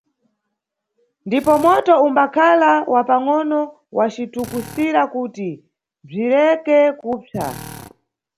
Ndipo moto umbakhala wa pangʼono wacitukusira kuti bzireke kupsa.